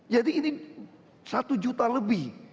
ini satu juta lebih